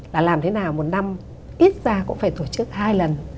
là làm thế nào một năm ít ra cũng phải tổ chức hai lần